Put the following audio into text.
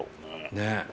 ねえ。